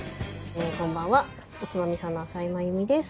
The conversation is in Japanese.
こんばんはおつまみさんの朝井麻由美です。